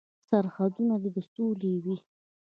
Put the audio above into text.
سرحدونه دې د سولې وي.